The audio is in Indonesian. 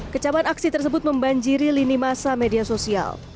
kecaman aksi tersebut membanjiri lini masa media sosial